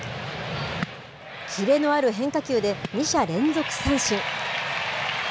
キレのある変化球で２者連続三振。